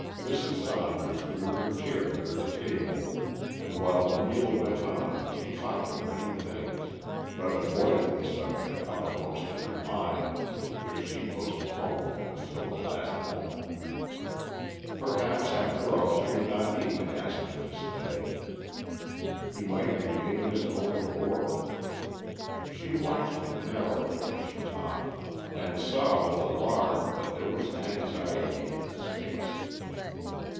Mrs. Saunders drew her chair near the table, and while the meal went on she talked of many things, but avoided the subject uppermost in her mind, which she postponed until the last moment. Perhaps after all she would not need to ask him to stay; he might remain of his own accord. She watched him narrowly as she talked, and saw with alarm that there was anxiety in his face.